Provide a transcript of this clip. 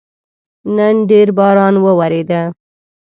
نن ډېر باران وورېده